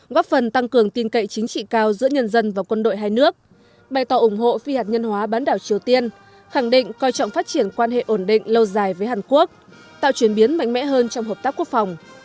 góp phần tăng cường tin cậy chính trị cao giữa nhân dân và quân đội hai nước bày tỏ ủng hộ phi hạt nhân hóa bán đảo triều tiên khẳng định coi trọng phát triển quan hệ ổn định lâu dài với hàn quốc tạo chuyển biến mạnh mẽ hơn trong hợp tác quốc phòng